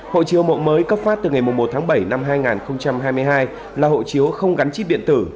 hộ chiếu mộng mới cấp phát từ ngày một tháng bảy năm hai nghìn hai mươi hai là hộ chiếu không gắn chip điện tử